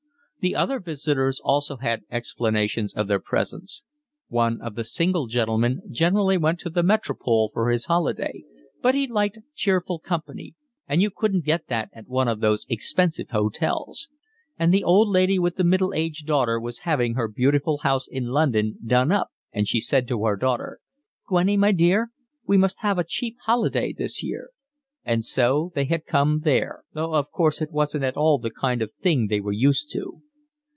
The other visitors also had explanations of their presence: one of the single gentlemen generally went to the Metropole for his holiday, but he liked cheerful company and you couldn't get that at one of those expensive hotels; and the old lady with the middle aged daughter was having her beautiful house in London done up and she said to her daughter: "Gwennie, my dear, we must have a cheap holiday this year," and so they had come there, though of course it wasn't at all the kind of thing they were used to.